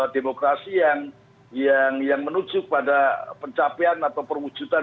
demokrasi yang menuju pada pencapaian atau perwujudan